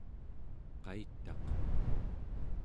qaitaq